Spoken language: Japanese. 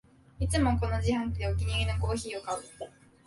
いつもこの自販機でお気に入りのコーヒーを買う